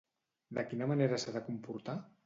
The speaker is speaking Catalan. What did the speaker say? De quina manera s'ha de comportar?